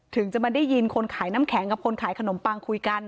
ถึงจะมาได้ยินคนขายน้ำแข็งกับคนขายขนมปังคุยกัน